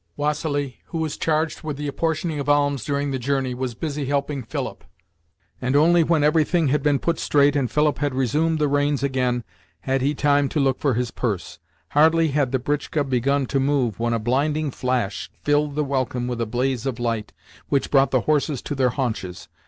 Vassili, who was charged with the apportioning of alms during the journey, was busy helping Philip, and only when everything had been put straight and Philip had resumed the reins again had he time to look for his purse. Hardly had the britchka begun to move when a blinding flash filled the welkin with a blaze of light which brought the horses to their haunches.